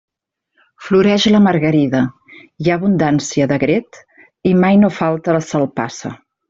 Floreix la margarida, hi ha abundància d'agret i mai no falta la salpassa.